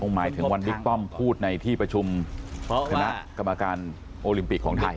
หมายถึงวันบิ๊กป้อมพูดในที่ประชุมคณะกรรมการโอลิมปิกของไทย